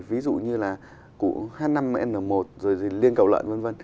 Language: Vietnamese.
ví dụ như là củ hai mươi năm n một liên cầu lợn v v